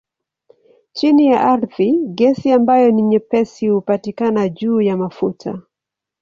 Chini ya ardhi gesi ambayo ni nyepesi hupatikana juu ya mafuta.